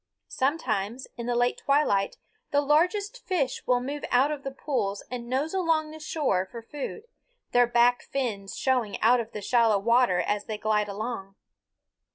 Sometimes, in the late twilight, the largest fish will move out of the pools and nose along the shore for food, their back fins showing out of the shallow water as they glide along.